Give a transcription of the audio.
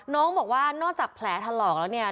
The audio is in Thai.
น้องบอกว่านอกจากแผลถลอกแล้วเนี่ย